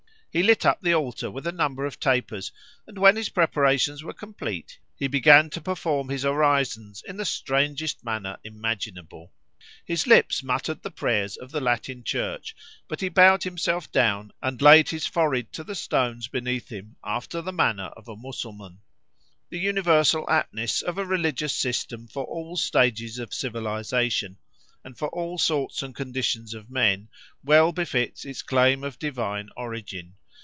He lit up the altar with a number of tapers, and when his preparations were complete, he began to perform his orisons in the strangest manner imaginable. His lips muttered the prayers of the Latin Church, but he bowed himself down and laid his forehead to the stones beneath him after the manner of a Mussulman. The universal aptness of a religious system for all stages of civilisation, and for all sorts and conditions of men, well befits its claim of divine origin.